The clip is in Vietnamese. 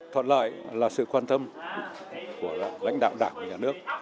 thuận lợi là sự quan tâm của lãnh đạo đảng nhà nước